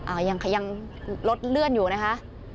อ้าวยังรถเลื่อนอยู่แหละค่ะ